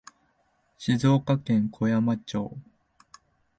静岡県小山町